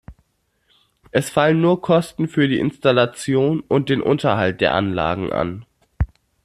Es fallen nur Kosten für die Installation und den Unterhalt der Anlagen an.